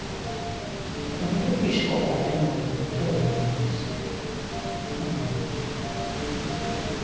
この時しか描けない絵だとは思いますけど。